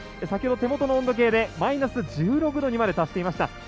先ほど手元の温度計でマイナス１６度にまで達していました。